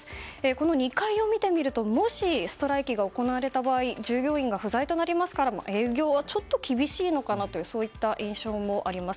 この２階を見てみるともしストライキが行われた場合従業員が不在となりますから営業はちょっと厳しいかなというそういった印象もあります。